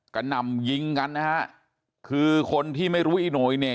หน่ำยิงกันนะฮะคือคนที่ไม่รู้อีโหยเนี่ย